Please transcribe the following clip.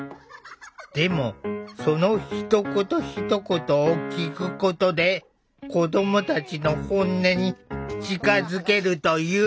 でもそのひと言ひと言を聴くことで子どもたちの本音に近づけるという。